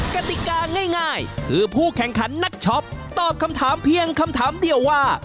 กติกาง่ายคือผู้แข่งขันนักช็อปตอบคำถามเพียงคำถามเดียวว่า